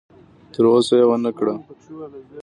تر اوسه یې ونه کړه.